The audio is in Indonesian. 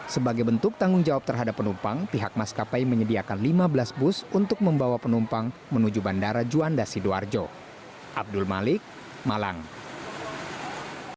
sebelum penutupan bandara penutupan berlangsung mulai jumat pagi akibat tebaran abu vulkanis erupsi gunung bromo yang dinilai membahayakan aktivitas penerbangan